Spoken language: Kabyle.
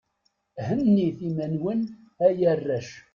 Hennit iman-nwen, ay arrac.